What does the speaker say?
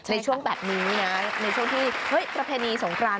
ในช่วงแบบนี้นะในช่วงที่เฮ้ยประเพณีสงคราน